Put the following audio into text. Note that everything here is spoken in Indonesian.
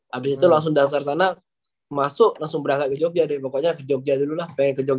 habis itu langsung daftar sana masuk langsung berangkat ke jogja deh pokoknya ke jogja dulu lah pengen ke jogja